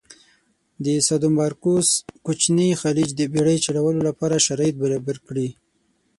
د سادومارکوس کوچینی خلیج د بېړی چلولو لپاره شرایط برابر کړي.